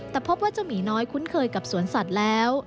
แต่พบว่าเจ้าหมีน้อยคุ้นเคยกับสวนสัตว์แล้ว